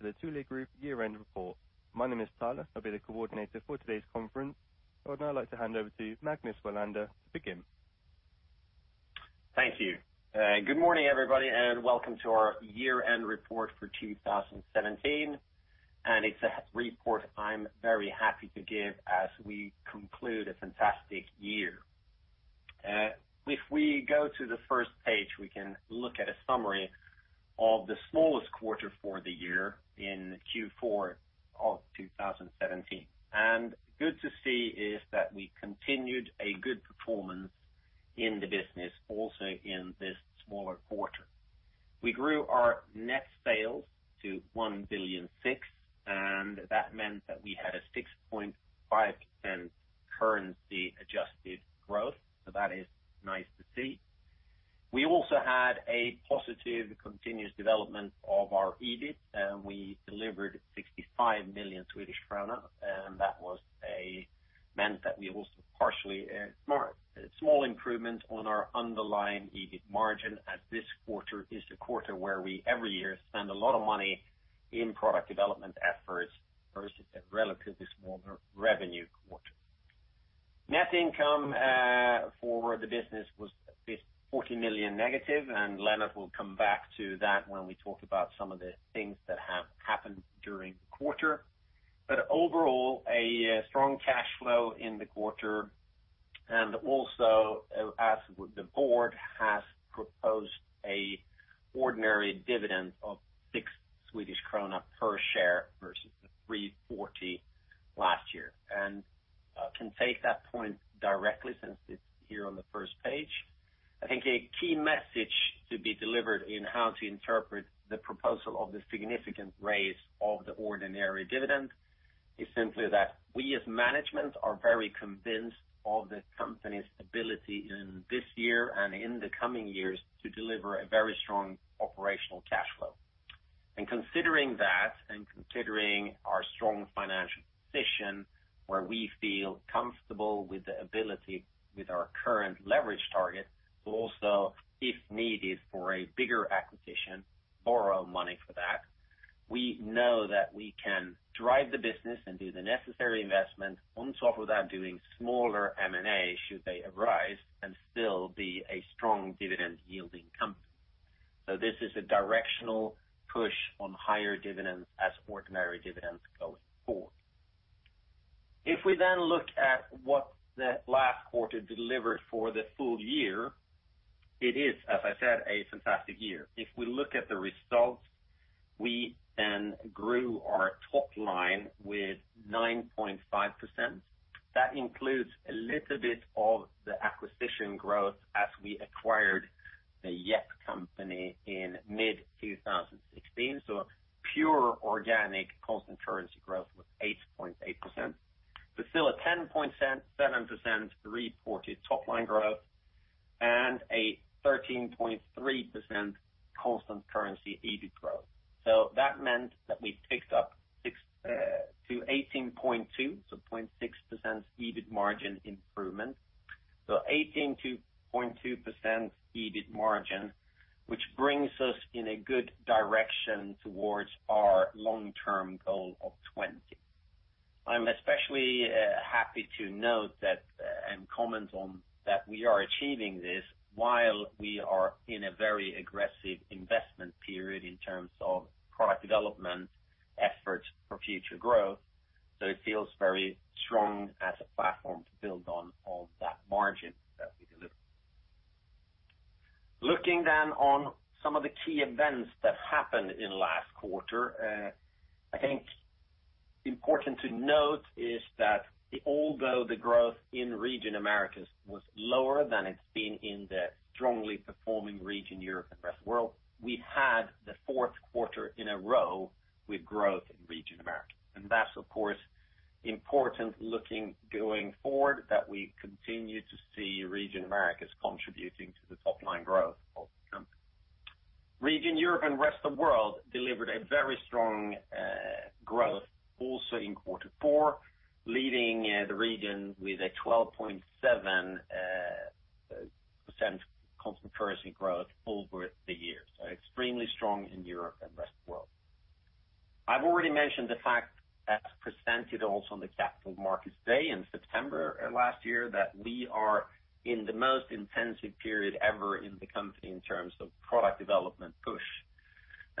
To the Thule Group year-end report. My name is Tyler, I'll be the coordinator for today's conference. I would now like to hand over to Magnus Welander to begin. Thank you. Good morning, everybody, and welcome to our year-end report for 2017. It's a report I'm very happy to give as we conclude a fantastic year. If we go to the first page, we can look at a summary of the smallest quarter for the year in Q4 of 2017. Good to see is that we continued a good performance in the business also in this smaller quarter. We grew our net sales to 1.6 billion, and that meant that we had a 6.5% currency-adjusted growth. That is nice to see. We also had a positive continuous development of our EBIT, and we delivered 65 million Swedish krona. That meant that we also partially mark small improvement on our underlying EBIT margin as this quarter is the quarter where we every year spend a lot of money in product development efforts versus a relatively smaller revenue quarter. Net income for the business was 40 million negative. Lennart will come back to that when we talk about some of the things that have happened during the quarter. Overall, a strong cash flow in the quarter. Also, as the board has proposed an ordinary dividend of six SEK per share versus the 3.40 last year, can take that point directly since it's here on the first page. I think a key message to be delivered in how to interpret the proposal of the significant raise of the ordinary dividend is simply that we, as management, are very convinced of the company's ability in this year and in the coming years to deliver a very strong operational cash flow. Considering that, and considering our strong financial position where we feel comfortable with the ability with our current leverage target, but also, if needed for a bigger acquisition, borrow money for that. We know that we can drive the business and do the necessary investment on top of that, doing smaller M&A should they arise, and still be a strong dividend-yielding company. This is a directional push on higher dividends as ordinary dividends going forward. If we then look at what the last quarter delivered for the full year, it is, as I said, a fantastic year. We then grew our top line with 9.5%. That includes a little bit of the acquisition growth as we acquired the Yepp company in mid-2016. Pure organic constant currency growth was 8.8%, but still a 10.7% reported top-line growth and a 13.3% constant currency EBIT growth. That meant that we ticked up to 18.2%, 0.6% EBIT margin improvement. 18.2% EBIT margin, which brings us in a good direction towards our long-term goal of 20%. It feels very strong as a platform to build on that margin that we deliver. I am especially happy to note that, and comment on, that we are achieving this while we are in a very aggressive investment period in terms of product development efforts for future growth. Looking on some of the key events that happened in last quarter. I think important to note is that although the growth in region Americas was lower than it's been in the strongly performing region, Europe and Rest of World, we've had the fourth quarter in a row with growth in region Americas. That's, of course, important looking going forward that we continue to see region Americas contributing to the top-line growth of the company. Region Europe and Rest of World delivered a very strong growth also in quarter four, leading the region with a 12.7% constant currency growth over the years, extremely strong in Europe and Rest of World. I've already mentioned the fact that presented also on the Capital Markets Day in September of last year, that we are in the most intensive period ever in the company in terms of product development push.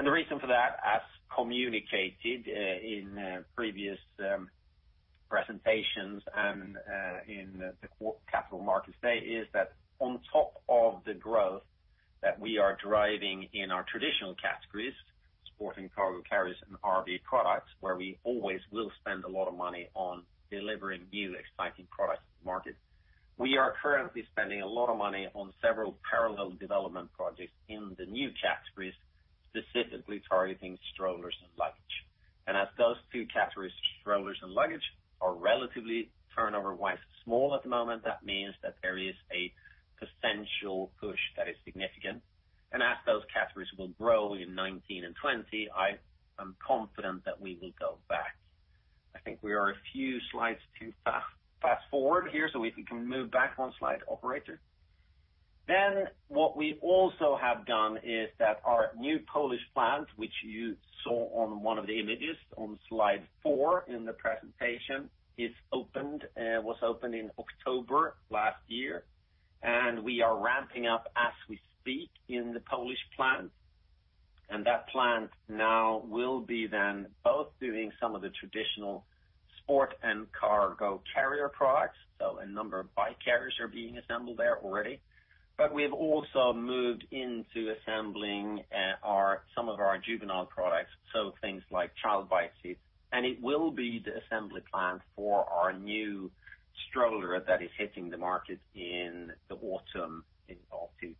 The reason for that, as communicated in previous presentations and in the Capital Markets Day, is that on top of the growth that we are driving in our traditional categories, Sport & Cargo Carriers and RV products, where we always will spend a lot of money on delivering new exciting products to market. We are currently spending a lot of money on several parallel development projects in the new categories, specifically targeting strollers and luggage. As those two categories, strollers and luggage, are relatively turnover-wise small at the moment, that means that there is a potential push that is significant. As those categories will grow in 2019 and 2020, I am confident that we will go back. I think we are a few slides too fast forward here, if we can move back one slide, operator? What we also have done is that our new Polish plant, which you saw on one of the images on slide four in the presentation, was opened in October last year, and we are ramping up as we speak in the Polish plant. That plant now will be then both doing some of the traditional Sport & Cargo Carrier products. A number of bike carriers are being assembled there already. We have also moved into assembling some of our juvenile products, things like child bike seats, and it will be the assembly plant for our new stroller that is hitting the market in the autumn of 2018.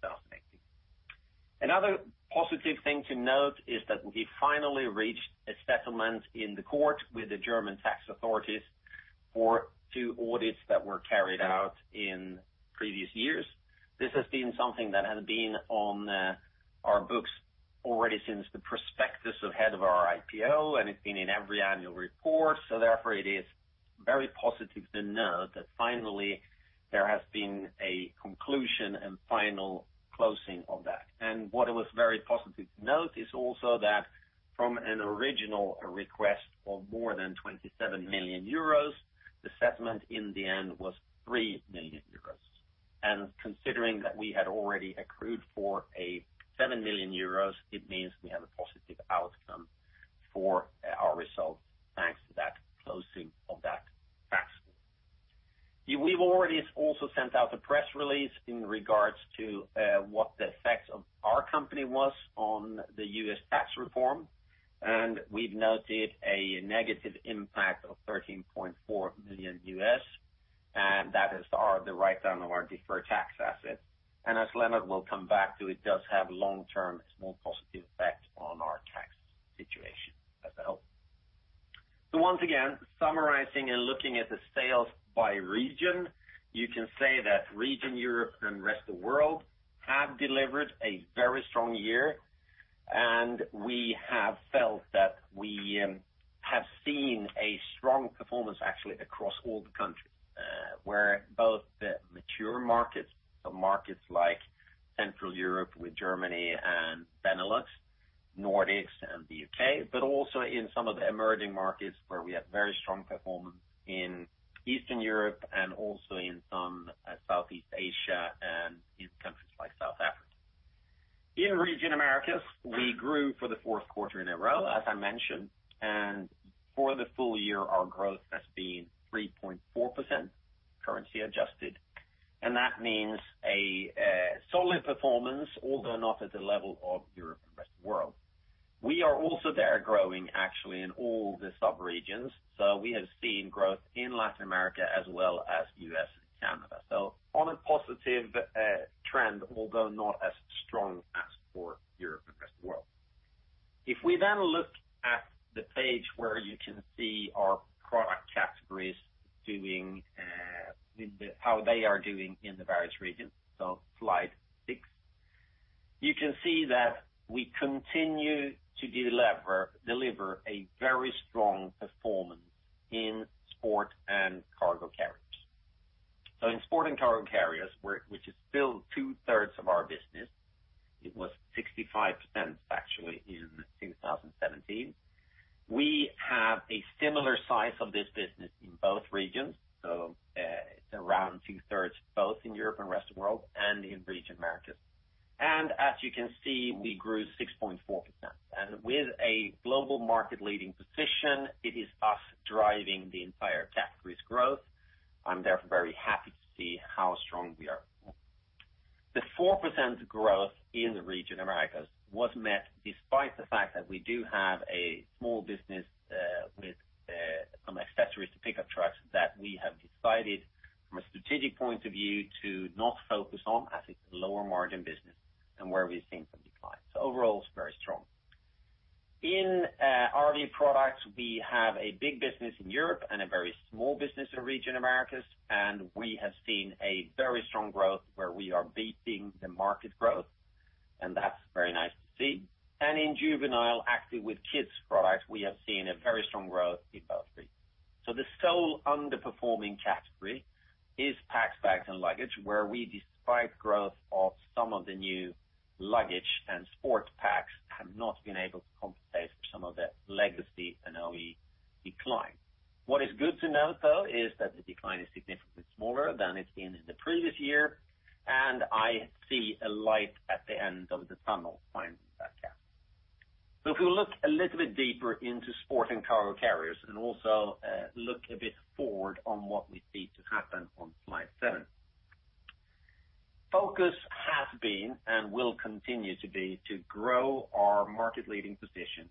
Another positive thing to note is that we finally reached a settlement in the court with the German tax authorities for two audits that were carried out in previous years. This has been something that has been on our books already since the prospectus ahead of our IPO, and it's been in every annual report. Therefore, it is very positive to note that finally there has been a conclusion and final closing of that. What it was very positive to note is also that from an original request of more than 27 million euros, the settlement in the end was 3 million euros. Considering that we had already accrued for 7 million euros, it means we have a positive outcome for our results, thanks to that closing of that tax. We've already also sent out a press release in regards to what the effects of our company was on the U.S. tax reform, we've noted a negative impact of $13.4 million, and that is the write-down of our deferred tax asset. As Lennart will come back to, it does have long-term small positive effect on our tax situation as a whole. Once again, summarizing and looking at the sales by region, you can say that Region Europe and Rest of World have delivered a very strong year, and we have felt that we have seen a strong performance actually across all the countries, where both the mature markets, so markets like Central Europe with Germany and Benelux, Nordics and the U.K., but also in some of the emerging markets where we have very strong performance in Eastern Europe and also in some Southeast Asia and in countries like South Africa. In Region Americas, we grew for the fourth quarter in a row, as I mentioned, for the full year, our growth has been 3.4% currency adjusted, that means a solid performance, although not at the level of Europe and Rest of World. We are also there growing actually in all the sub-regions. We have seen growth in Latin America as well as U.S. and Canada. On a positive trend, although not as strong as for Europe and Rest of World. If we then look at the page where you can see our product categories, how they are doing in the various regions, so slide six. You can see that we continue to deliver a very strong performance in Sport & Cargo Carriers. In Sport & Cargo Carriers, which is still two-thirds of our business, it was 65% actually in 2017. We have a similar size of this business in both regions. It's around two-thirds both in Europe and Rest of World and in Region Americas. As you can see, we grew 6.4%. With a global market-leading position, it is us driving the entire category's growth. I'm therefore very happy to see how strong we are. The 4% growth in the Region Americas was met despite the fact that we do have a small business with some accessories to pickup trucks that we have decided from a strategic point of view to not focus on as it's a lower margin business and where we've seen some decline. Overall, it's very strong. In RV products, we have a big business in Europe and a very small business in Region Americas. We have seen a very strong growth where we are beating the market growth, and that's very nice to see. In juvenile, actually with kids products, we have seen a very strong growth in both regions. The sole underperforming category is packs, bags, and luggage, where we, despite growth of some of the new luggage and sports packs, have not been able to compensate for some of the legacy and early decline. What is good to note, though, is that the decline is significantly smaller than it's been in the previous year, and I see a light at the end of the tunnel finally in that category. If you look a little bit deeper into Sport & Cargo Carriers and also look a bit forward on what we see to happen on slide seven. Focus has been and will continue to be to grow our market-leading position.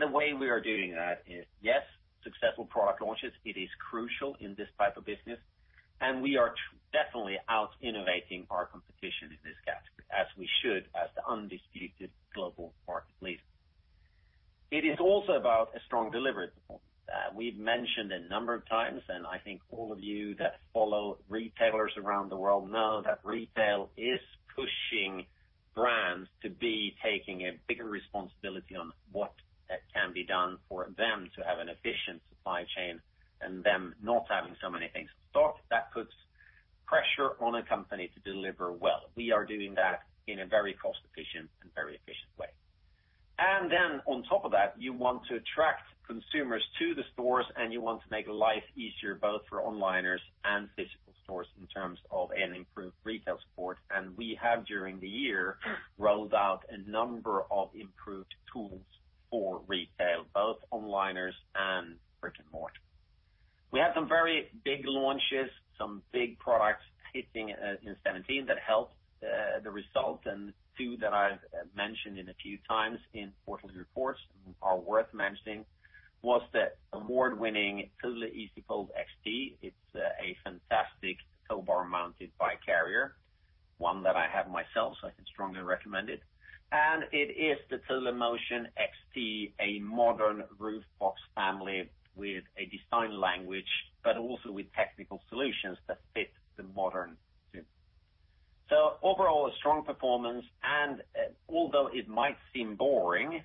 The way we are doing that is, yes, successful product launches, it is crucial in this type of business, and we are definitely out-innovating our competition in this category, as we should as the undisputed global market leader. It is also about a strong delivery performance. We've mentioned a number of times, and I think all of you that follow retailers around the world know that retail is pushing brands to be taking a bigger responsibility on what can be done for them to have an efficient supply chain and them not having so many things in stock. That puts pressure on a company to deliver well. We are doing that in a very cost-efficient and very efficient way. On top of that, you want to attract consumers to the stores, and you want to make life easier, both for onliners and physical stores in terms of an improved retail support. We have, during the year, rolled out a number of improved tools for retail, both onliners and brick-and-mortar. We had some very big launches, some big products hitting in 2017 that helped the result, and two that I've mentioned a few times in quarterly reports are worth mentioning, was the award-winning Thule EasyFold XT. It's a fantastic tow bar mounted bike carrier, one that I have myself, so I can strongly recommend it. It is the Thule Motion XT, a modern roof box family with a design language, but also with technical solutions that fit the modern consumer. Overall, a strong performance, and although it might seem boring,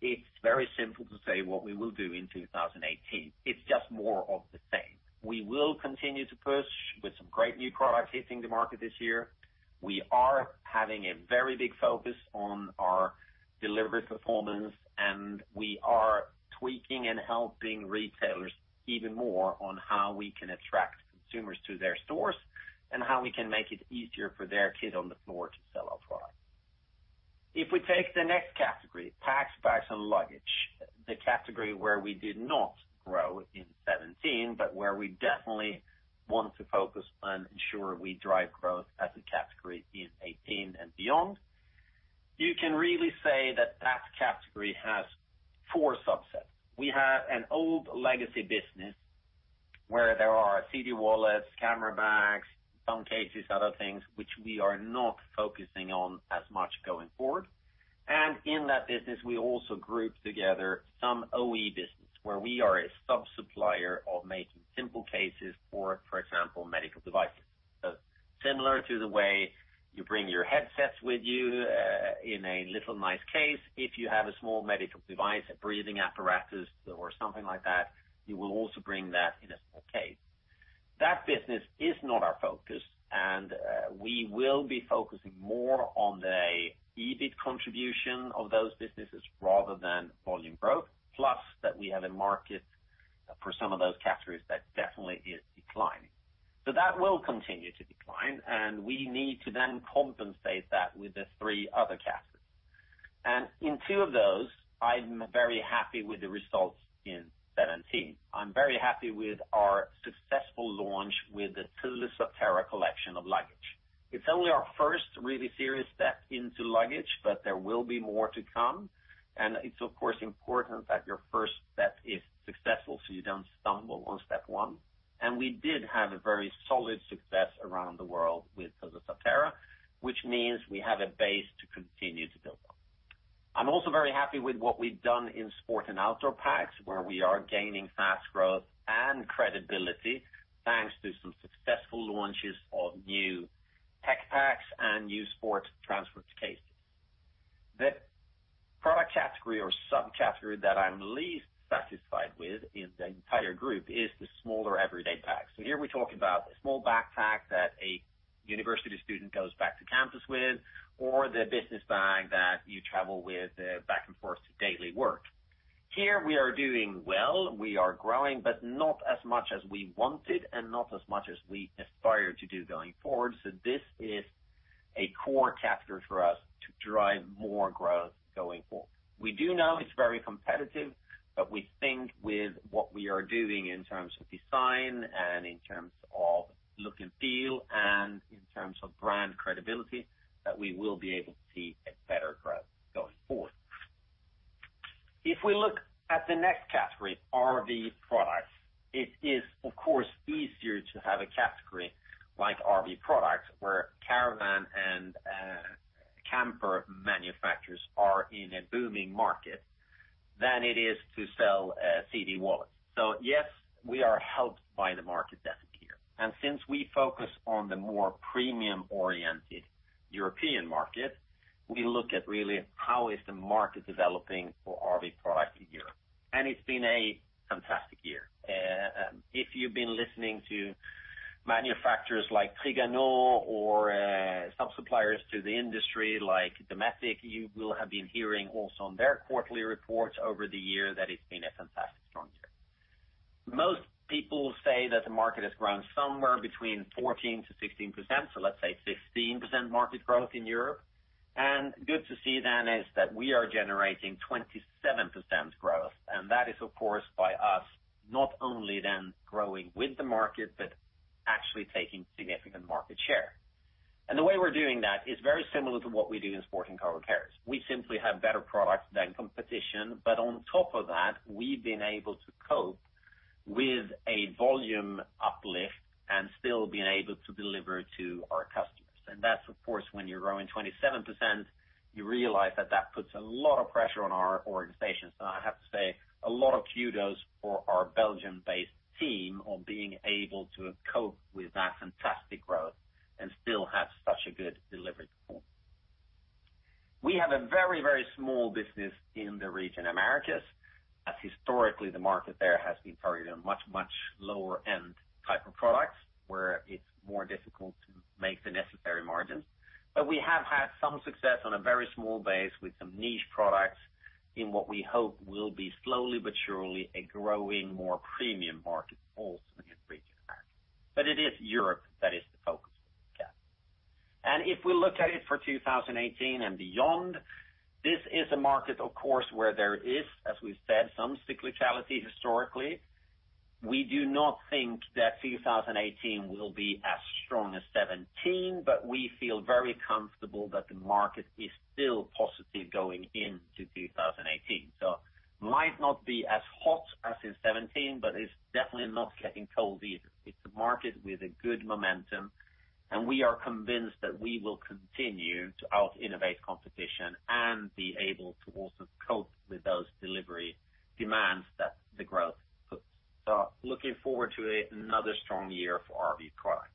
it's very simple to say what we will do in 2018. It's just more of the same. We will continue to push with some great new products hitting the market this year. We are having a very big focus on our delivery performance. We are tweaking and helping retailers even more on how we can attract consumers to their stores and how we can make it easier for their kid on the floor to sell our product. If we take the next category, packs, bags, and luggage, the category where we did not grow in 2017, but where we definitely want to focus on ensuring we drive growth as a category in 2018 and beyond. You can really say that that category has four subsets. We have an old legacy business where there are CD wallets, camera bags, phone cases, other things which we are not focusing on as much going forward. In that business, we also group together some OE business where we are a sub-supplier of making simple cases for example, medical devices. Similar to the way you bring your headsets with you in a little nice case, if you have a small medical device, a breathing apparatus or something like that, you will also bring that in a small case. That business is not our focus, and we will be focusing more on the EBIT contribution of those businesses rather than volume growth, plus that we have a market for some of those categories that definitely is declining. That will continue to decline, and we need to then compensate that with the three other categories. In two of those, I'm very happy with the results in 2017. I'm very happy with our successful launch with the Thule Subterra collection of luggage. It's only our first really serious step into luggage, but there will be more to come, and it's, of course, important that your first step is successful, so you don't stumble on step one. We did have a very solid success around the world with Thule Subterra, which means we have a base to continue to build on. I'm also very happy with what we've done in sport and outdoor packs, where we are gaining fast growth and credibility thanks to some successful launches of new tech packs and new sports transport cases. The product category or subcategory that I'm least satisfied with in the entire group is the smaller everyday packs. Here we're talking about the small backpack that a university student goes back to campus with or the business bag that you travel with back and forth to daily work. Here we are doing well. We are growing, but not as much as we wanted and not as much as we aspire to do going forward. This is a core category for us to drive more growth going forward. We do know it's very competitive, but we think with what we are doing in terms of design and in terms of look and feel and in terms of brand credibility, that we will be able to see a better growth going forward. If we look at the next category, RV products, it is, of course, easier to have a category like RV products, where caravan and camper manufacturers are in a booming market, than it is to sell a CD wallet. Yes, we are helped by the market dynamic here. Since we focus on the more premium-oriented European market, we look at really how is the market developing for RV products in Europe. It's been a fantastic year. If you've been listening to manufacturers like Trigano or sub-suppliers to the industry like Dometic, you will have been hearing also on their quarterly reports over the year that it's been a fantastic strong year. Most people say that the market has grown somewhere between 14%-16%, let's say 16% market growth in Europe. Good to see then is that we are generating 27% growth, and that is, of course, by us not only then growing with the market, but actually taking significant market share. The way we're doing that is very similar to what we do in Sport & Cargo Carriers. We simply have better products than competition, but on top of that, we've been able to cope with a volume uplift and still been able to deliver to our customers. That's, of course, when you're growing 27%. You realize that that puts a lot of pressure on our organization. I have to say, a lot of kudos for our Belgium-based team on being able to cope with that fantastic growth and still have such a good delivery performance. We have a very, very small business in the region Americas, as historically the market there has been targeted on much, much lower-end type of products, where it's more difficult to make the necessary margins. We have had some success on a very small base with some niche products in what we hope will be slowly but surely a growing, more premium market also in the region Americas. It is Europe that is the focus of the growth. If we look at it for 2018 and beyond, this is a market, of course, where there is, as we've said, some cyclicality historically. We do not think that 2018 will be as strong as 2017, but we feel very comfortable that the market is still positive going into 2018. Might not be as hot as in 2017, but it's definitely not getting cold either. It's a market with a good momentum, and we are convinced that we will continue to out-innovate competition and be able to also cope with those delivery demands that the growth puts. Looking forward to another strong year for RV products.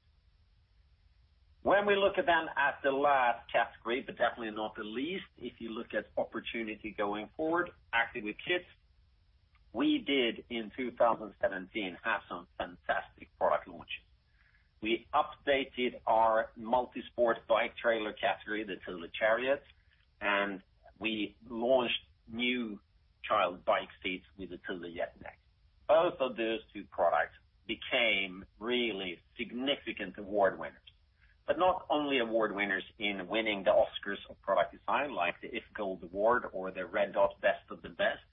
When we look then at the last category, but definitely not the least, if you look at opportunity going forward, active with kids, we did in 2017 have some fantastic product launches. We updated our multi-sport bike trailer category, the Thule Chariot, and we launched new child bike seats with the Thule Yepp Nexxt. Both of those two products became really significant award winners. Not only award winners in winning the Oscars of product design, like the iF Gold Award or the Red Dot: Best of the Best,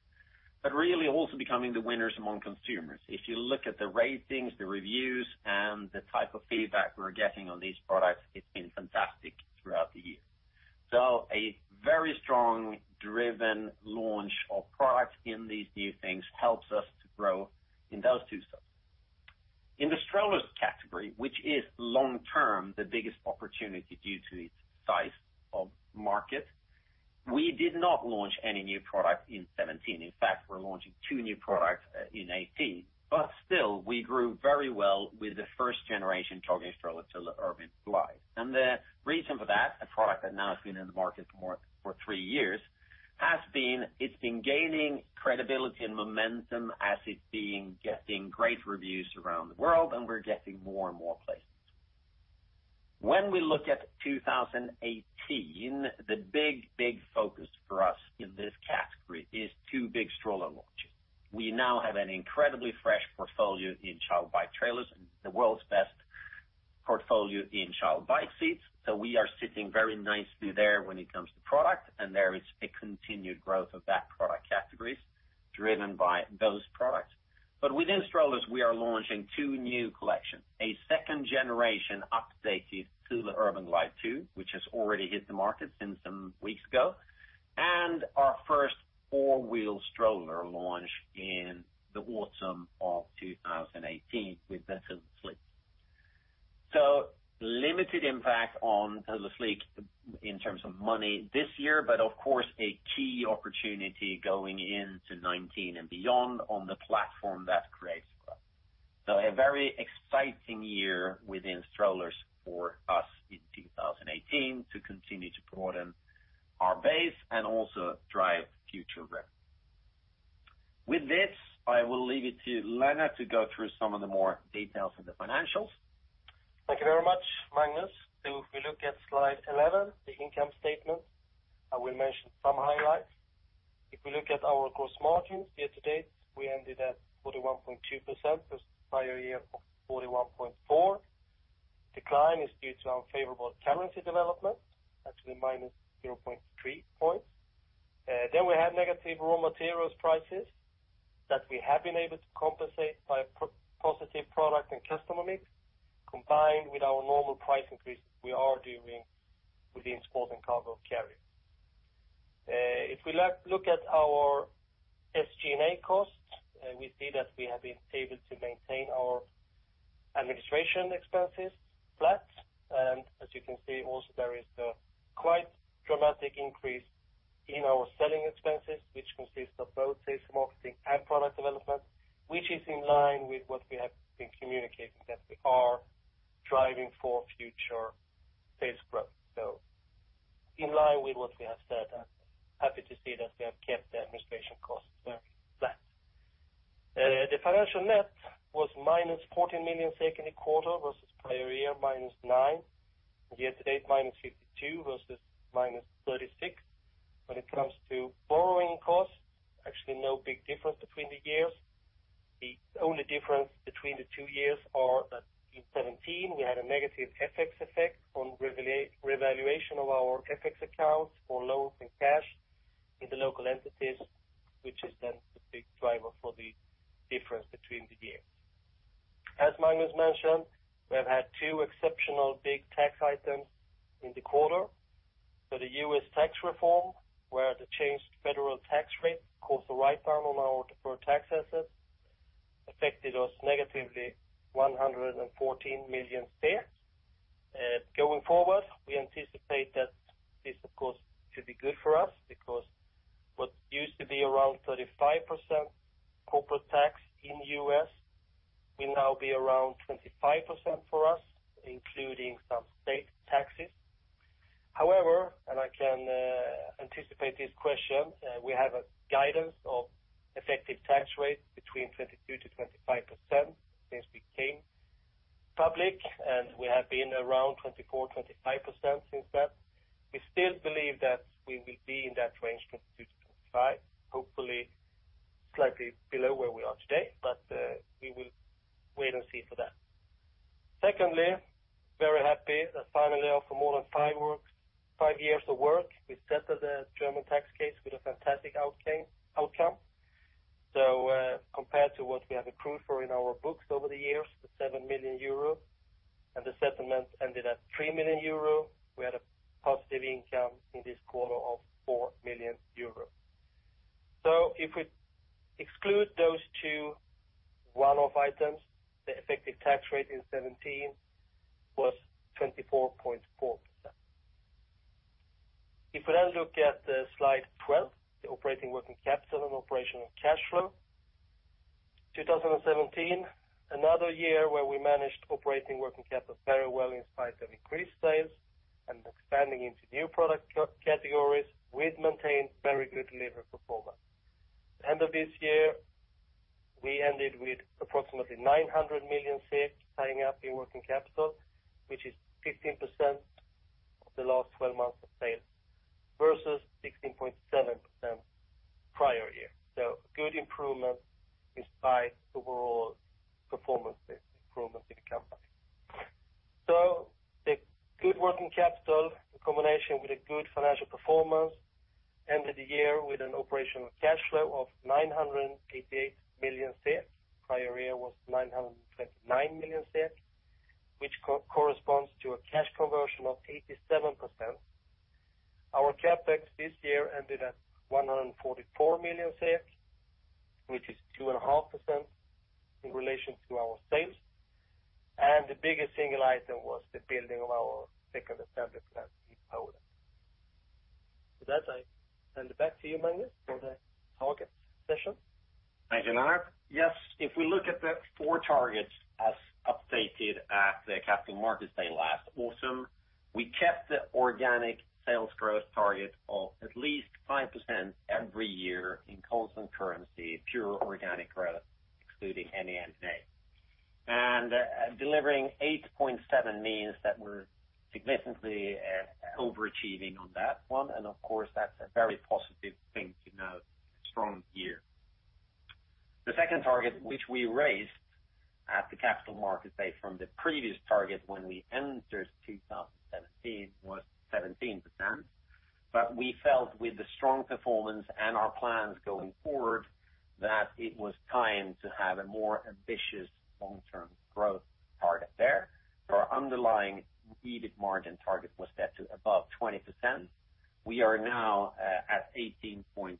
but really also becoming the winners among consumers. If you look at the ratings, the reviews, and the type of feedback we're getting on these products, it's been fantastic throughout the year. A very strong driven launch of products in these new things helps us to grow in those two segments. In the strollers category, which is long-term the biggest opportunity due to its size of market, we did not launch any new product in 2017. In fact, we're launching two new products in 2018. Still, we grew very well with the first generation targeted stroller, Thule Urban Glide. The reason for that, a product that now has been in the market for three years, has been it's been gaining credibility and momentum as it's been getting great reviews around the world, and we're getting more and more placements. When we look at 2018, the big, big focus for us in this category is two big stroller launches. We now have an incredibly fresh portfolio in child bike trailers and the world's best portfolio in child bike seats. We are sitting very nicely there when it comes to product, and there is a continued growth of that product categories driven by those products. Within strollers, we are launching two new collections, a second generation updated Thule Urban Glide 2, which has already hit the market since some weeks ago, and our first four-wheel stroller launch in the autumn of 2018 with the Thule Sleek. Limited impact on Thule Sleek in terms of money this year, but of course, a key opportunity going into 2019 and beyond on the platform that creates growth. A very exciting year within strollers for us in 2018 to continue to broaden our base and also drive future growth. With this, I will leave it to Lennart to go through some of the more details of the financials. Thank you very much, Magnus. If we look at slide 11, the income statement, I will mention some highlights. If we look at our gross margins, year to date, we ended at 41.2%, versus prior year of 41.4%. Decline is due to unfavorable currency development, actually -0.3 percentage points. We have negative raw materials prices that we have been able to compensate by positive product and customer mix, combined with our normal price increases we are doing within Sport & Cargo Carriers. If we look at our SG&A costs, we see that we have been able to maintain our administration expenses flat. As you can see also, there is a quite dramatic increase in our selling expenses, which consist of both sales, marketing, and product development, which is in line with what we have been communicating, that we are driving for future sales growth. In line with what we have said, happy to see that we have kept the administration costs there flat. The financial net was -14 million in the quarter versus prior year -9 million, year to date -52 million versus -36 million. When it comes to borrowing costs, actually no big difference between the years. The only difference between the two years are that in 2017, we had a negative FX effect on revaluation of our FX accounts for loans and cash in the local entities, which is the big driver for the difference between the years. As Magnus mentioned, we have had two exceptional big tax items in the quarter. The U.S. tax reform, where the changed federal tax rate caused a write-down on our deferred tax assets affected us negatively 114 million. Going forward, we anticipate that this, of course, should be good for us because what used to be around 35% corporate tax in the U.S. will now be around 25% for us, including some state taxes. I can anticipate this question, we have a guidance of effective tax rate between 22%-25% since we came public, and we have been around 24%, 25% since that. We still believe that we will be in that range, 22%-25%, hopefully slightly below where we are today. We will wait and see for that. Secondly, very happy that finally, after more than 5 years of work, we settled the German tax case with a fantastic outcome. Compared to what we have accrued for in our books over the years, 7 million euro, and the settlement ended at 3 million euro, we had a positive income in this quarter of 4 million euro. If we exclude those two one-off items, the effective tax rate in 2017 was 24.4%. If we then look at slide 12, the operating working capital and operational cash flow. 2017, another year where we managed operating working capital very well in spite of increased sales and expanding into new product categories. We'd maintained very good delivery performance. End of this year, we ended with approximately 900 million tying up in working capital, which is 15% of the last 12 months of sales versus 16.7% prior year. Good improvement despite overall performance-based improvements in the company. The good working capital, in combination with a good financial performance, ended the year with an operational cash flow of 988 million. Prior year was 929 million, which corresponds to a cash conversion of 87%. Our CapEx this year ended at 144 million, which is 2.5% in relation to our sales. The biggest single item was the building of our second assembly plant in Poland. With that, I hand it back to you, Magnus, for the target session. Thank you, Lennart. Yes. If we look at the four targets as updated at the Capital Markets Day last autumn, we kept the organic sales growth target of at least 5% every year in constant currency, pure organic growth, excluding any M&A. Delivering 8.7% means that we're significantly overachieving on that one. Of course, that's a very positive thing to note a strong year. The second target, which we raised at the Capital Markets Day from the previous target when we entered 2017, was 17%. We felt with the strong performance and our plans going forward, that it was time to have a more ambitious long-term growth target there. Our underlying EBIT margin target was set to above 20%. We are now at 18.2%,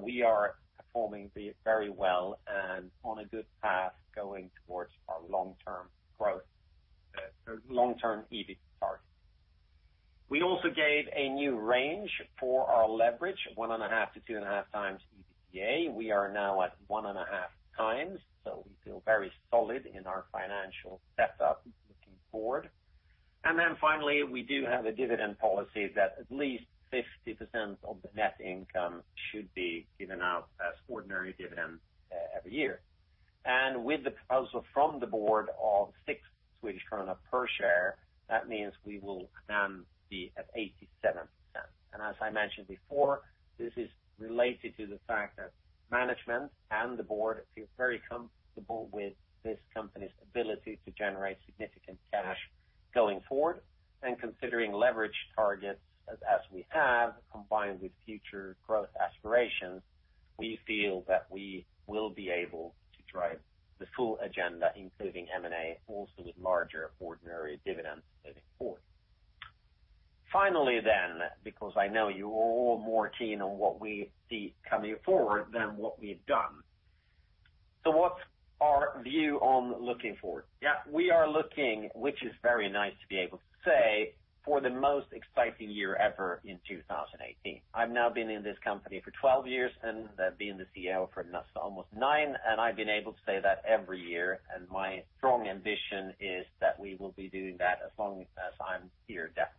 we are performing very well and on a good path going towards our long-term growth, long-term EBIT target. We also gave a new range for our leverage, 1.5 to 2.5 times EBITDA. We are now at 1.5 times, we feel very solid in our financial setup looking forward. Finally, we do have a dividend policy that at least 50% of the net income should be given out as ordinary dividend every year. With the proposal from the board of 6 Swedish krona per share, that means we will then be at 87%. As I mentioned before, this is related to the fact that management and the board feel very comfortable with this company's ability to generate significant cash going forward. Considering leverage targets as we have, combined with future growth aspirations, we feel that we will be able to drive the full agenda, including M&A, also with larger ordinary dividends moving forward. Finally, because I know you're all more keen on what we see coming forward than what we've done. What's our view on looking forward? We are looking, which is very nice to be able to say, for the most exciting year ever in 2018. I've now been in this company for 12 years and been the CEO for almost nine, I've been able to say that every year, and my strong ambition is that we will be doing that as long as I'm here, definitely.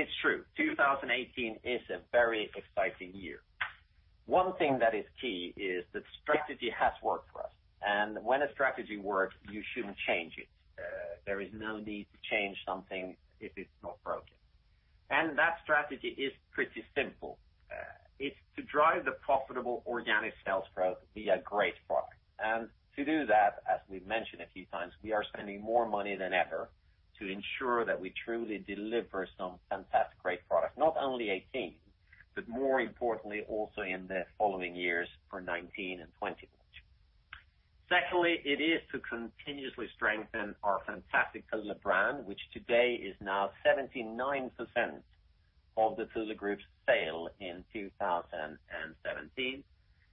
It's true. 2018 is a very exciting year. One thing that is key is that strategy has worked for us. When a strategy works, you shouldn't change it. There is no need to change something if it's not broken. That strategy is pretty simple. It's to drive the profitable organic sales growth via great product. To do that, as we've mentioned a few times, we are spending more money than ever to ensure that we truly deliver some fantastic great product, not only 2018, but more importantly, also in the following years for 2019 and 2020. Secondly, it is to continuously strengthen our fantastic Thule brand, which today is now 79% of the Thule Group's sale in 2017.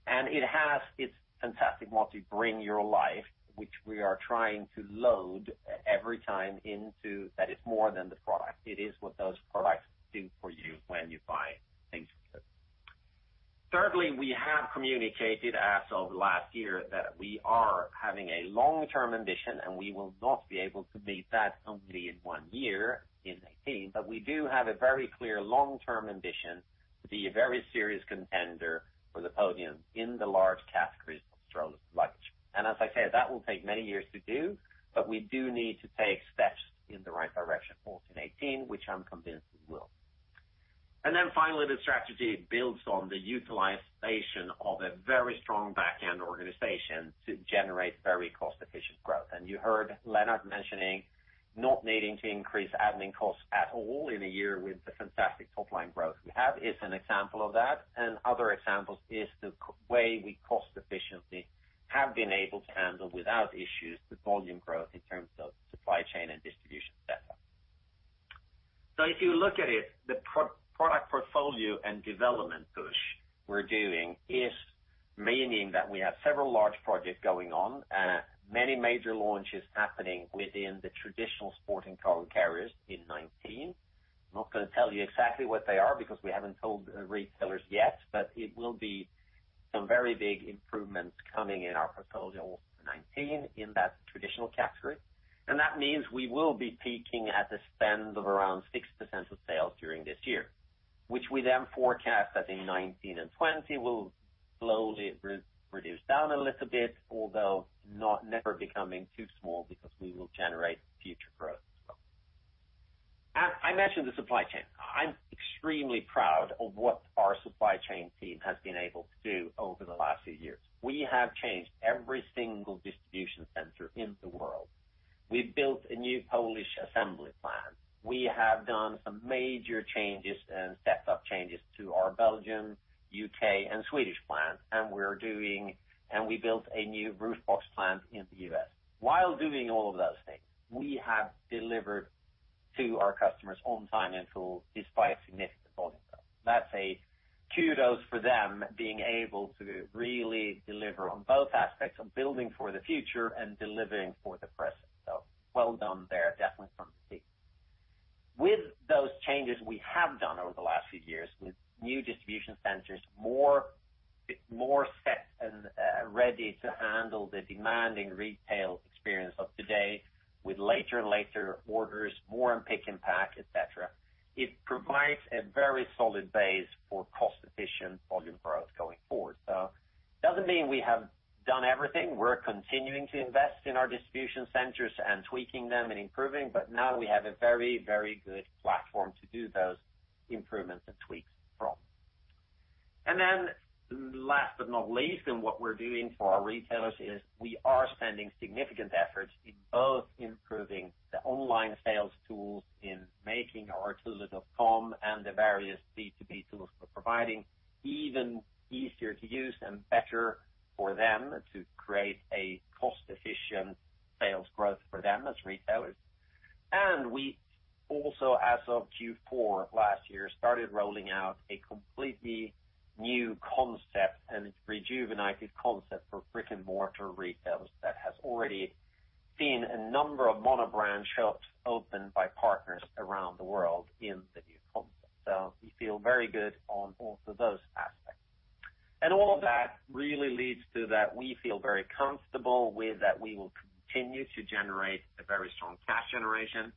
It has its fantastic motto, "Bring your life," which we are trying to load every time into, that it's more than the product. It is what those products do for you when you buy things from us. Thirdly, we have communicated as of last year that we are having a long-term ambition, we will not be able to meet that completely in one year, in 2018, but we do have a very clear long-term ambition to be a very serious contender for the podium in the large categories of travel and luggage. As I said, that will take many years to do, but we do need to take steps in the right direction for 2018, which I'm convinced we will. Finally, the strategy builds on the utilization of a very strong backend organization to generate very cost-efficient growth. You heard Lennart mentioning not needing to increase admin costs at all in a year with the fantastic top-line growth we have is an example of that. Other examples is the way we cost efficiently have been able to handle without issues the volume growth in terms of supply chain and distribution setup. If you look at it, the product portfolio and development push we're doing is meaning that we have several large projects going on and many major launches happening within the traditional sporting good carriers in 2019. I'm not going to tell you exactly what they are because we haven't told retailers yet. It will be some very big improvements coming in our portfolio for 2019 in that traditional category. That means we will be peaking at the spend of around 6% of sales during this year, which we then forecast that in 2019 and 2020 will slowly reduce down a little bit, although never becoming too small because we will generate future growth as well. I mentioned the supply chain. I'm extremely proud of what our supply chain team has been able to do over the last few years. We have changed every single distribution center in the world. We've built a new Polish assembly plant. We have done some major changes and set up changes to our Belgium, U.K., and Swedish plants. We built a new roof box plant in the U.S. While doing all of those things, we have delivered to our customers on time in full despite significant volume growth. That's a kudos for them being able to really deliver on both aspects of building for the future and delivering for the present. Well done there, definitely from the team. With those changes we have done over the last few years with new distribution centers, more set and ready to handle the demanding retail experience of today with later and later orders, more pick and pack, et cetera. It provides a very solid base for cost-efficient volume growth going forward. It doesn't mean we have done everything. We're continuing to invest in our distribution centers and tweaking them and improving. Now we have a very, very good platform to do those improvements and tweaks from. Last but not least, in what we're doing for our retailers is we are spending significant efforts in both improving the online sales tools in making our thule.com and the various B2B tools we're providing even easier to use and better for them to create a cost-efficient sales growth for them as retailers. We also, as of Q4 last year, started rolling out a completely new concept and rejuvenated concept for brick-and-mortar retails that has already seen a number of mono-brand shops opened by partners around the world in the new concept. We feel very good on all of those aspects. All of that really leads to that we feel very comfortable with that we will continue to generate a very strong cash generation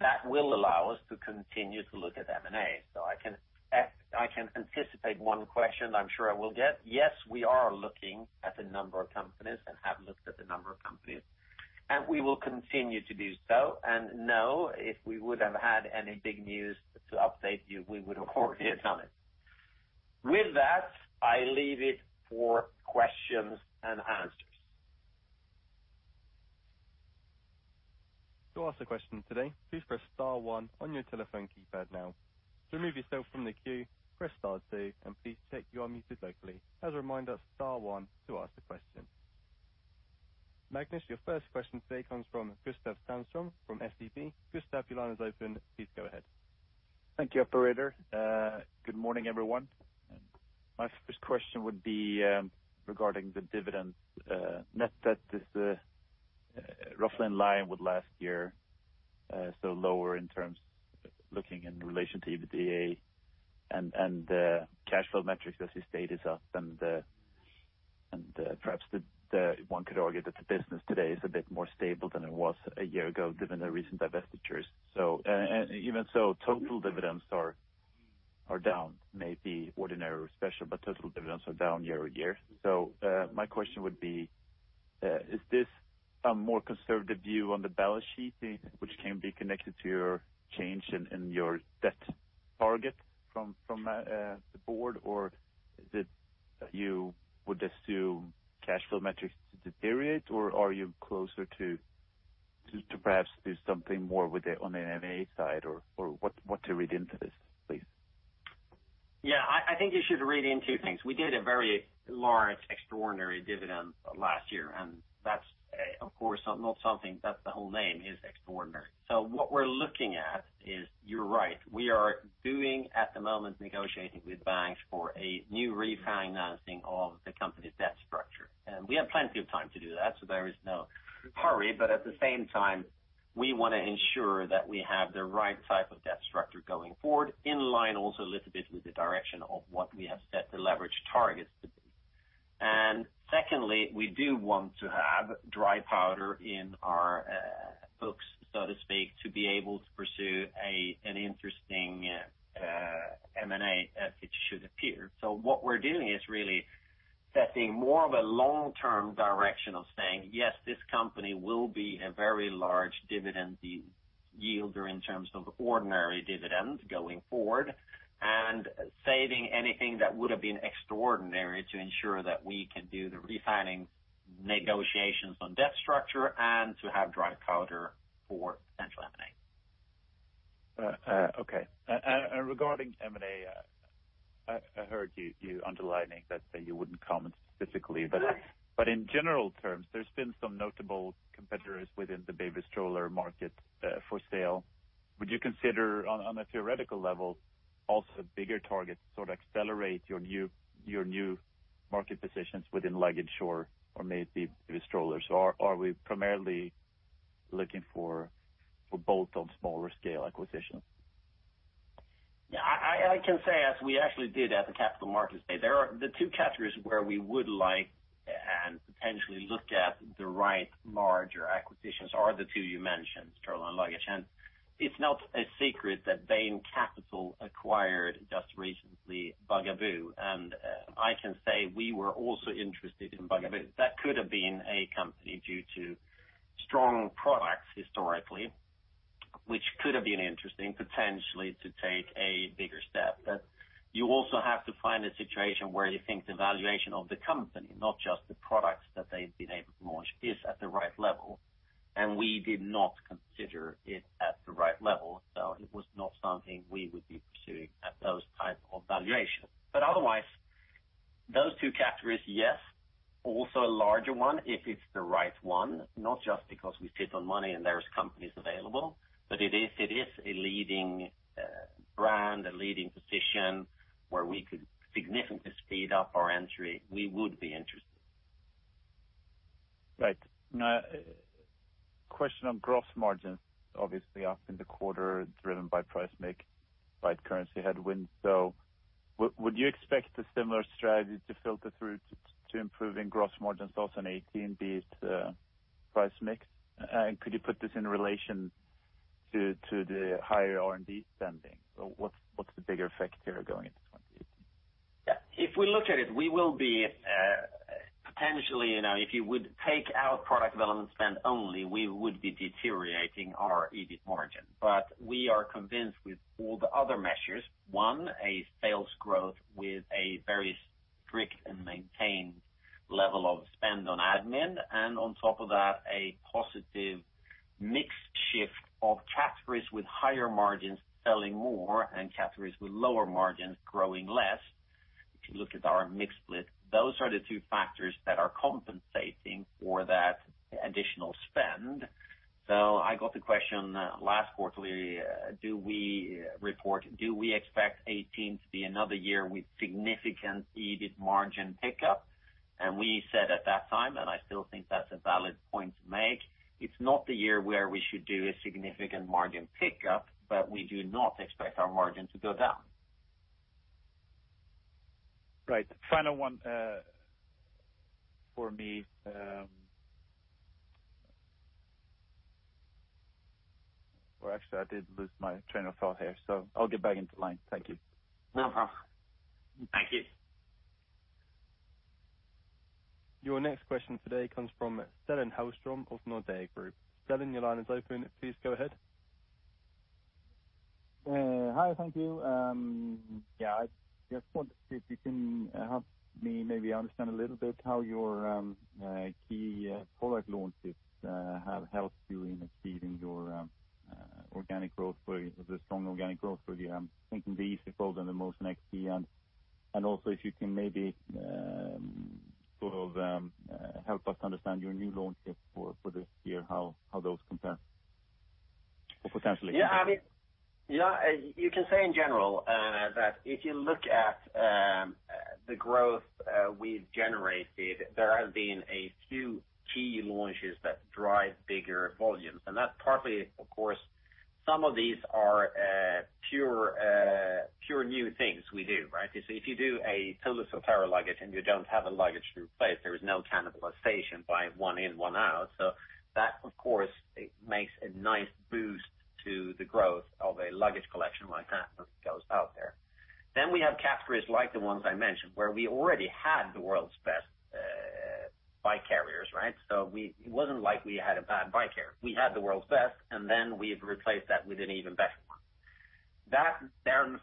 that will allow us to continue to look at M&A. I can anticipate one question I'm sure I will get. Yes, we are looking at a number of companies and have looked at a number of companies, we will continue to do so. No, if we would have had any big news to update you, we would have already done it. With that, I leave it for questions and answers. To ask a question today, please press star one on your telephone keypad now. To remove yourself from the queue, press star two, please check you are muted locally. As a reminder, star one to ask the question. Magnus, your first question today comes from Gustav Sandstrom from SEB. Gustav, your line is open. Please go ahead. Thank you, operator. Good morning, everyone. My first question would be regarding the dividend net that is roughly in line with last year, so lower in terms looking in relation to EBITDA and the cash flow metrics as you stated, perhaps one could argue that the business today is a bit more stable than it was a year ago given the recent divestitures. Even so, total dividends are down, maybe ordinary or special, but total dividends are down year-over-year. My question would be, is this a more conservative view on the balance sheet which can be connected to your change in your debt target from the board, or is it that you would assume cash flow metrics to deteriorate, or are you closer to perhaps do something more on the M&A side or what to read into this, please? Yeah, I think you should read into things. We did a very large extraordinary dividend last year, that's, of course, not something. That's the whole name, is extraordinary. What we're looking at is, you're right, we are doing at the moment, negotiating with banks for a new refinancing of the company's debt structure. We have plenty of time to do that, so there is no hurry. At the same time, we want to ensure that we have the right type of debt structure going forward, in line also a little bit with the direction of what we have set the leverage targets to be. Secondly, we do want to have dry powder in our books, so to speak, to be able to pursue an interesting M&A as it should appear. What we're doing is really setting more of a long-term direction of saying, "Yes, this company will be a very large dividend yielder in terms of ordinary dividend going forward," and saving anything that would have been extraordinary to ensure that we can do the refinancing negotiations on debt structure and to have dry powder for potential M&A. Okay. Regarding M&A, I heard you underlining that you wouldn't comment specifically. Right. In general terms, there's been some notable competitors within the baby stroller market for sale. Would you consider on a theoretical level, also bigger targets to sort of accelerate your new market positions within luggage or maybe baby strollers? Are we primarily looking for bulk of smaller scale acquisitions? Yeah. I can say as we actually did at the Capital Markets Day, the 2 categories where we would like and potentially look at the right merger acquisitions are the 2 you mentioned, stroller and luggage. It's not a secret that Bain Capital acquired, just recently, Bugaboo. I can say we were also interested in Bugaboo. That could have been a company, due to strong products historically, which could have been interesting, potentially, to take a bigger step. You also have to find a situation where you think the valuation of the company, not just the products that they've been able to launch, is at the right level. We did not consider it at the right level. It was not something we would be pursuing at those type of valuations. Otherwise, those 2 categories, yes. A larger one if it's the right one, not just because we sit on money and there's companies available. If it is a leading brand, a leading position where we could significantly speed up our entry, we would be interested. Right. Question on gross margins, obviously up in the quarter driven by price mix, by currency headwinds. Would you expect a similar strategy to filter through to improving gross margins also in 2018, be it price mix? Could you put this in relation to the higher R&D spending? What's the bigger effect here going into 2020? If we look at it, potentially, if you would take out product development spend only, we would be deteriorating our EBIT margin. We are convinced with all the other measures. One, a sales growth with a very strict and maintained level of spend on admin. On top of that, a positive mix shift of categories with higher margins selling more and categories with lower margins growing less. If you look at our mix split, those are the two factors that are compensating for that additional spend. I got the question last quarterly, do we expect 2018 to be another year with significant EBIT margin pickup? We said at that time, and I still think that's a valid point to make, it's not the year where we should do a significant margin pickup, but we do not expect our margin to go down. Right. Final one for me. Actually, I did lose my train of thought here, so I'll get back into line. Thank you. No problem. Thank you. Your next question today comes from Stellan Hellström of Nordea Bank. Sellen, your line is open. Please go ahead. Hi. Thank you. I just want to see if you can help me maybe understand a little bit how your key product launches have helped you in achieving your organic growth for the strong organic growth for the, I'm thinking the EasyFold XT and the Motion XT. Also, if you can maybe sort of help us understand your new launches for this year, how those compare or. You can say in general, that if you look at the growth we've generated, there have been a few key launches that drive bigger volumes. That's partly, of course, some of these are pure new things we do, right? If you do a Thule Subterra luggage and you don't have a luggage to replace, there is no cannibalization by one in, one out. That, of course, makes a nice boost to the growth of a luggage collection like that as it goes out there. We have categories like the ones I mentioned, where we already had the world's best bike carriers, right? It wasn't like we had a bad bike carrier. We had the world's best, and then we've replaced that with an even better one.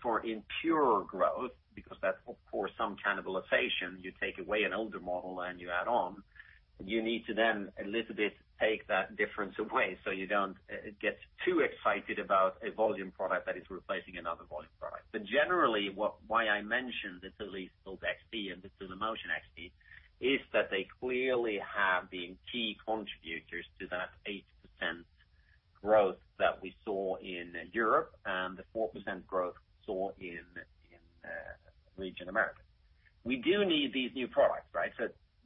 For impure growth, because that's of course some cannibalization, you take away an older model and you add on. You need to, a little bit, take that difference away so you don't get too excited about a volume product that is replacing another volume product. Generally, why I mentioned the Thule Force XT and the Thule Motion XT is that they clearly have been key contributors to that 8% growth that we saw in Europe and the 4% growth we saw in region Americas. We do need these new products, right?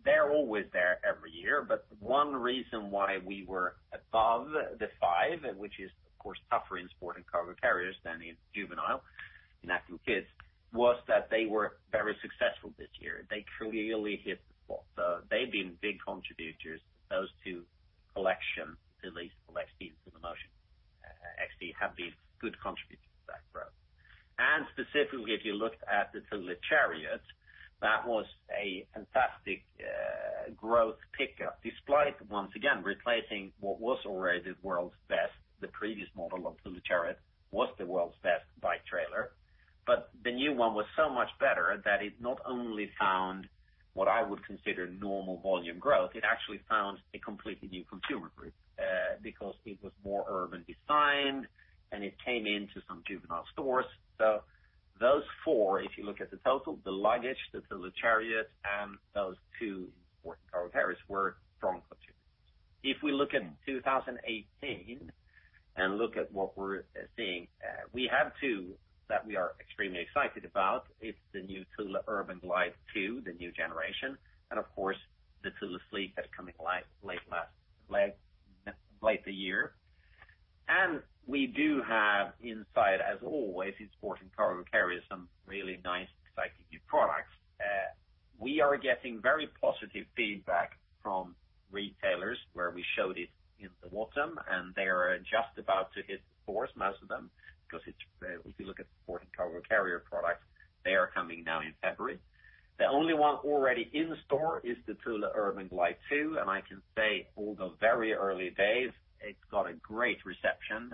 They're always there every year, but one reason why we were above the five, which is of course tougher in Sport & Cargo Carriers than in juvenile, in active kids, was that they were very successful this year. They clearly hit the spot. They've been big contributors. Those two collections, Thule Slide XP and Thule Motion XT, have been good contributors to that growth. Specifically, if you looked at the Thule Chariot, that was a fantastic growth pickup, despite, once again, replacing what was already the world's best. The previous model of Thule Chariot was the world's best bike trailer. The new one was so much better that it not only found what I would consider normal volume growth, it actually found a completely new consumer group, because it was more urban designed and it came into some juvenile stores. Those four, if you look at the total, the luggage, the Thule Chariot, and those two Sport & Cargo Carriers were strong contributors. If we look at 2018 and look at what we're seeing, we have two that we are extremely excited about. It's the new Thule Urban Glide 2, the new generation, and of course, the Thule Sleek that's coming late the year. We do have inside, as always, in Sport & Cargo Carriers, some really nice, exciting new products. We are getting very positive feedback from retailers where we showed it in the autumn, and they're just about to hit the stores, most of them, because if you look at sport and cargo carrier products, they are coming now in February. The only one already in store is the Thule Urban Glide 2, and I can say, although very early days, it's got a great reception.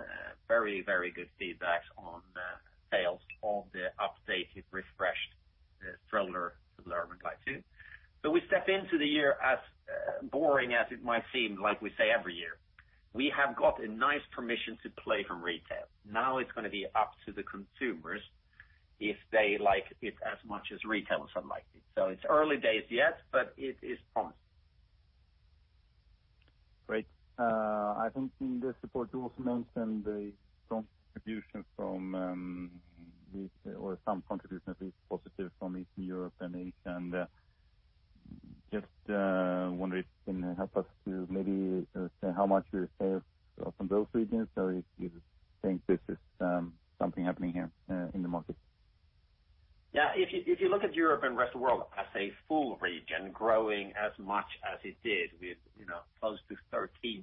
Very good feedback on sales of the updated, refreshed stroller, Thule Urban Glide 2. We step into the year, as boring as it might seem, like we say every year. We have got a nice permission to play from retail. Now it's going to be up to the consumers if they like it as much as retailers are liking it. It's early days yet, but it is promising. Great. I think in the support you also mentioned a strong contribution from retail or some contribution at least positive from Eastern Europe and Asia. Just wonder if you can help us to maybe say how much you sell from those regions, or if you think this is something happening here in the market. Yeah. If you look at Europe and rest of world as a full region growing as much as it did with close to 13%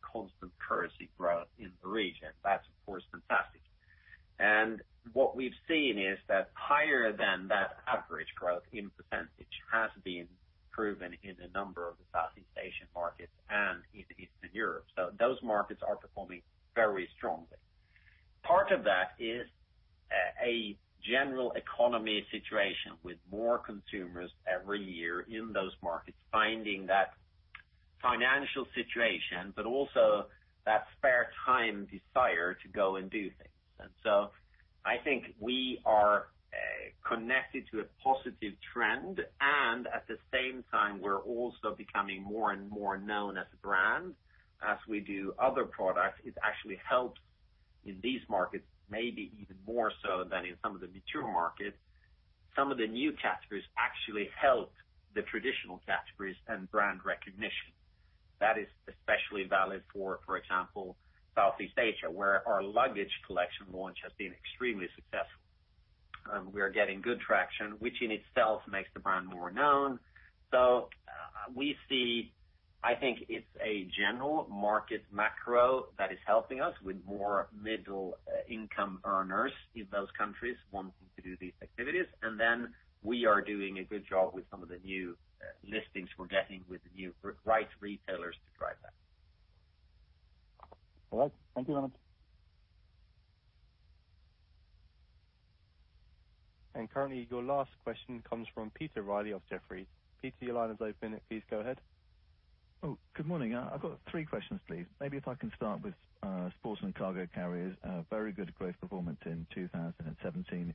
constant currency growth in the region, that's of course fantastic. What we've seen is that higher than that average growth in percentage has been proven in a number of the Southeast Asian markets and in Eastern Europe. Those markets are performing very strongly. Part of that is a general economy situation with more consumers every year in those markets finding that financial situation, but also that spare time desire to go and do things. I think we are connected to a positive trend and at the same time we're also becoming more and more known as a brand. As we do other products, it actually helps in these markets, maybe even more so than in some of the mature markets. Some of the new categories actually help the traditional categories and brand recognition. That is especially valid for example, Southeast Asia, where our luggage collection launch has been extremely successful. We are getting good traction, which in itself makes the brand more known. We see, I think it's a general market macro that is helping us with more middle income earners in those countries wanting to do these activities. We are doing a good job with some of the new listings we're getting with the new right retailers to drive that. All right. Thank you, Magnus. Currently your last question comes from Peter Reilly of Jefferies. Peter, your line is open. Please go ahead. Good morning. I've got three questions, please. Maybe if I can start with Sport & Cargo Carriers. Very good growth performance in 2017.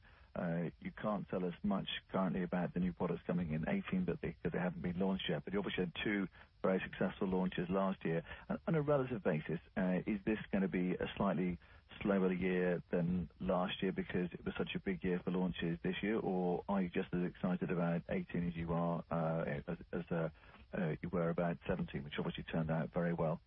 You can't tell us much currently about the new products coming in 2018, because they haven't been launched yet, but you obviously had two very successful launches last year. On a relative basis, is this going to be a slightly slower year than last year because it was such a big year for launches this year? Are you just as excited about 2018 as you were about 2017, which obviously turned out very well?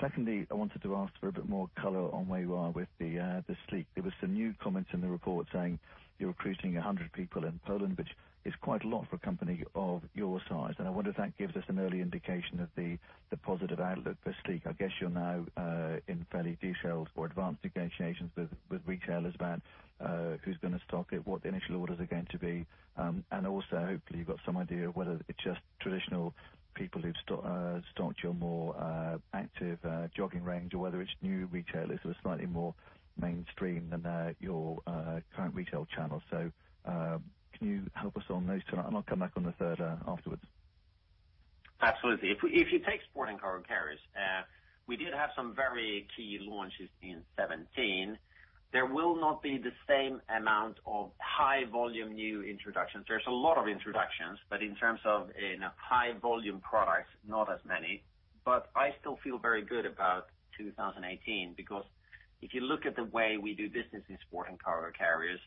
Secondly, I wanted to ask for a bit more color on where you are with the Thule Sleek. There were some new comments in the report saying you're recruiting 100 people in Poland, which is quite a lot for a company of your size, and I wonder if that gives us an early indication of the positive outlook for Thule Sleek. I guess you're now in fairly detailed or advanced negotiations with retailers about who's going to stock it, what the initial orders are going to be, and also hopefully you've got some idea of whether it's just traditional people who've stocked your more active jogging range, or whether it's new retailers with a slightly more mainstream than your current retail channel. Can you help us on those two? I'll come back on the third afterwards. Absolutely. If you take Sport & Cargo Carriers, we did have some very key launches in 2017. There will not be the same amount of high volume new introductions. There's a lot of introductions, but in terms of in high volume products, not as many. I still feel very good about 2018 because if you look at the way we do business in Sport & Cargo Carriers,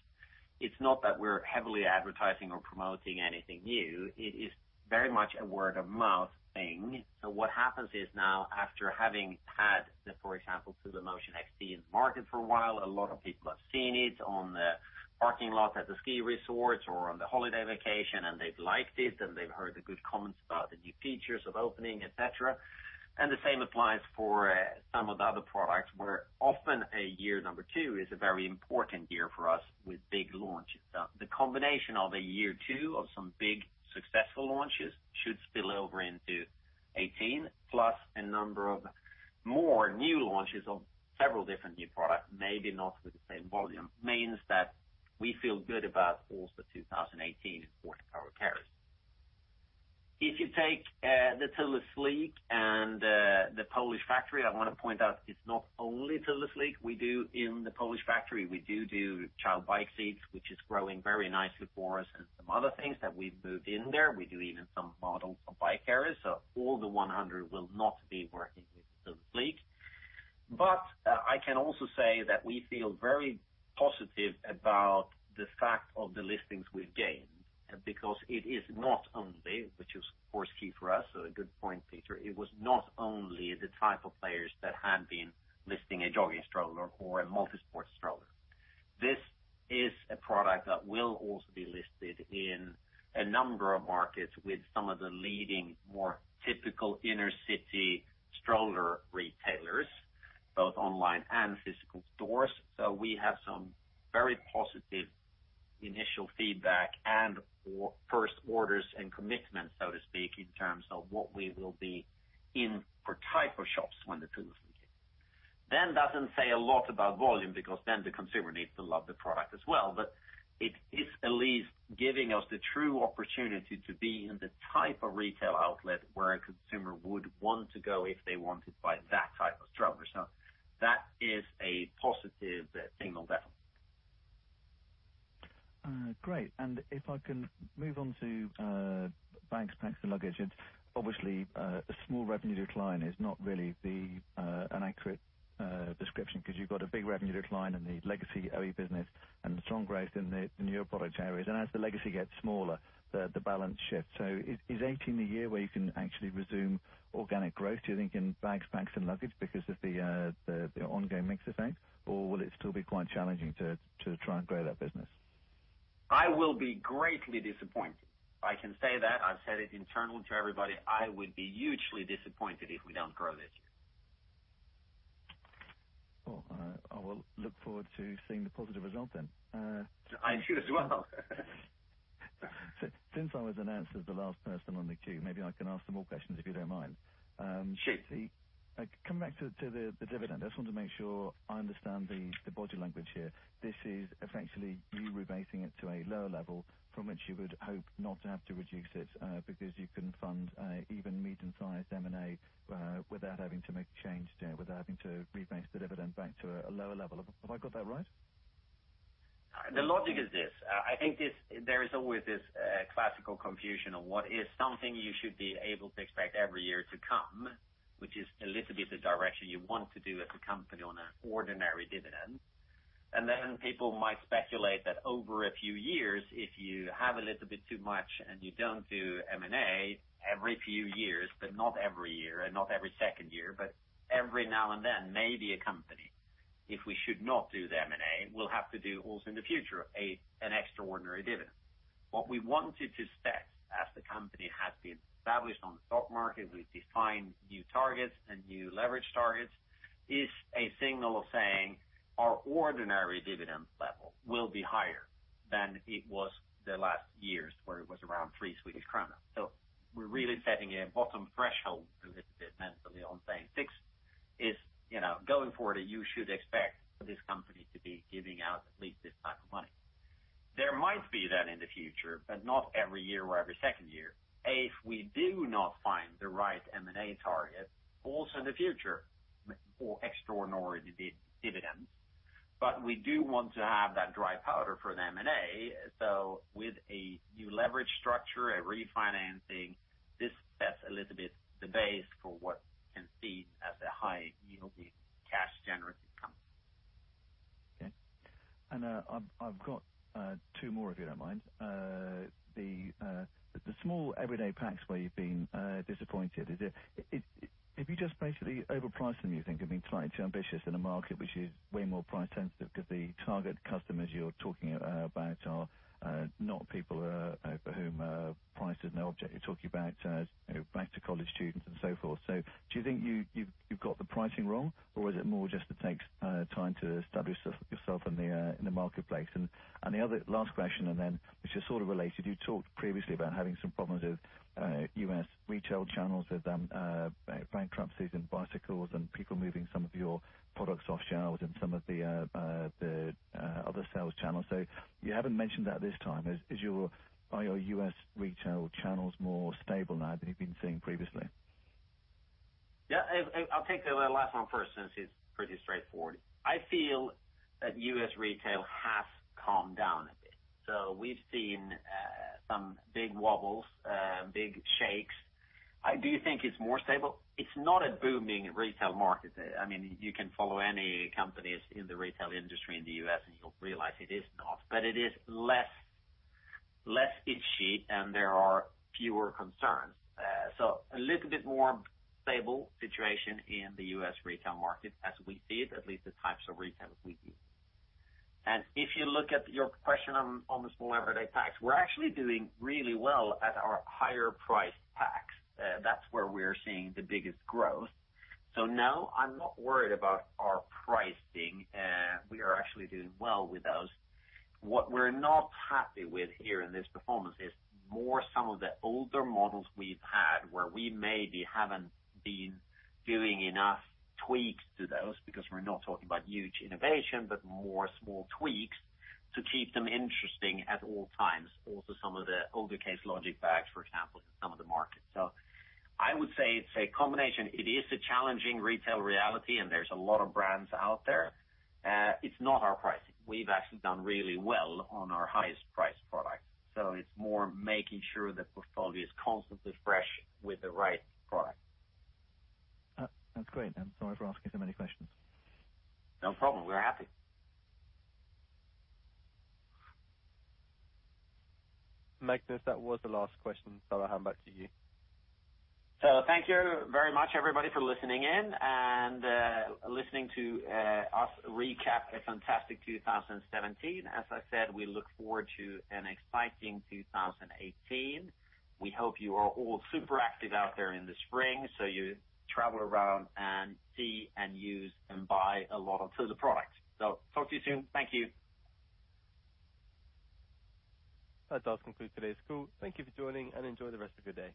it's not that we're heavily advertising or promoting anything new. It is very much a word-of-mouth thing. What happens is now after having had, for example, Thule Motion XT in the market for a while, a lot of people have seen it on the parking lot at the ski resorts or on the holiday vacation, and they've liked it, and they've heard the good comments about the new features of opening, et cetera. The same applies for some of the other products where often a year number 2 is a very important year for us with big launches. The combination of a year 2 of some big successful launches should spill over into 2018, plus a number of more new launches of several different new products, maybe not with the same volume, means that we feel good about also 2018 in Sport & Cargo Carriers. If you take the Thule Sleek and the Polish factory, I want to point out it's not only Thule Sleek we do in the Polish factory. We do child bike seats, which is growing very nicely for us, and some other things that we've moved in there. We do even some models for bike carriers. So all the 100 will not be working with Thule Sleek. I can also say that we feel very positive about the fact of the listings we've gained because it is not only, which is of course key for us, so a good point, Peter. It was not only the type of players that had been listing a jogging stroller or a multi-sport stroller. This is a product that will also be listed in a number of markets with some of the leading, more typical inner city stroller retailers, both online and physical stores. We have some very positive initial feedback and first orders and commitments, so to speak, in terms of what we will be in for type of shops when the Thule Sleek. Doesn't say a lot about volume because then the consumer needs to love the product as well. It is at least giving us the true opportunity to be in the type of retail outlet where a consumer would want to go if they wanted to buy that type of stroller. That is a positive signal there. Great. If I can move on to Bags, Packs and Luggage. Obviously, a small revenue decline is not really an accurate description because you've got a big revenue decline in the legacy OE business and the strong growth in the newer product areas. As the legacy gets smaller, the balance shifts. Is 2018 the year where you can actually resume organic growth, do you think, in Bags, Packs and Luggage because of the ongoing mix effect? Will it still be quite challenging to try and grow that business? I will be greatly disappointed. I can say that I've said it internal to everybody. I would be hugely disappointed if we don't grow this year. Cool. I will look forward to seeing the positive result then. I do as well. Since I was announced as the last person on the queue, maybe I can ask some more questions, if you don't mind. Sure. Coming back to the dividend, I just want to make sure I understand the body language here. This is effectively you rebasing it to a lower level from which you would hope not to have to reduce it because you can fund even medium-sized M&A without having to make a change there, without having to rebase the dividend back to a lower level. Have I got that right? The logic is this. I think there is always this classical confusion on what is something you should be able to expect every year to come, which is a little bit the direction you want to do as a company on an ordinary dividend. Then people might speculate that over a few years, if you have a little bit too much and you don't do M&A every few years, but not every year and not every second year, but every now and then, maybe a company, if we should not do the M&A, will have to do also in the future, an extraordinary dividend. What we wanted to set as the company has been established on the stock market, we've defined new targets and new leverage targets, is a signal of saying our ordinary dividend level will be higher than it was the last years where it was around 3 Swedish kronor. We're really setting a bottom threshold a little bit mentally on saying 6 is going forward and you should expect this company to be giving out at least this type of money. There might be that in the future, but not every year or every second year. If we do not find the right M&A target, also in the future for extraordinary dividends. We do want to have that dry powder for the M&A. With a new leverage structure, a refinancing, this sets a little bit the base for what can seed as a high yielding cash generative company. Okay. I've got two more, if you don't mind. The small everyday packs where you've been disappointed. Have you just basically overpriced them, you think, and been trying to ambitious in a market which is way more price sensitive? The target customers you're talking about are not people for whom price is no object. You're talking about back to college students and so forth. Do you think you've got the pricing wrong? Is it more just it takes time to establish yourself in the marketplace? The other last question, then Which is sort of related. You talked previously about having some problems with U.S. retail channels with bankruptcies and bicycles and people moving some of your products off shelves and some of the other sales channels. You haven't mentioned that this time. Are your U.S. retail channels more stable now than you've been seeing previously? Yeah. I'll take the last one first, since it's pretty straightforward. I feel that U.S. retail has calmed down a bit. We've seen some big wobbles, big shakes. I do think it's more stable. It's not a booming retail market. You can follow any companies in the retail industry in the U.S., and you'll realize it is not. It is less itchy, and there are fewer concerns. A little bit more stable situation in the U.S. retail market as we see it, at least the types of retail we do. If you look at your question on the small everyday packs, we're actually doing really well at our higher price packs. That's where we're seeing the biggest growth. No, I'm not worried about our pricing. We are actually doing well with those. What we're not happy with here in this performance is more some of the older models we've had, where we maybe haven't been doing enough tweaks to those, because we're not talking about huge innovation, but more small tweaks to keep them interesting at all times. Also, some of the older Case Logic packs, for example, in some of the markets. I would say it's a combination. It is a challenging retail reality, and there's a lot of brands out there. It's not our pricing. We've actually done really well on our highest priced product. It's more making sure the portfolio is constantly fresh with the right product. That's great. Sorry for asking so many questions. No problem. We're happy. Magnus, that was the last question. I'll hand back to you. Thank you very much, everybody, for listening in and listening to us recap a fantastic 2017. As I said, we look forward to an exciting 2018. We hope you are all super active out there in the spring, you travel around and see and use and buy a lot of Thule products. Talk to you soon. Thank you. That does conclude today's call. Thank you for joining, and enjoy the rest of your day.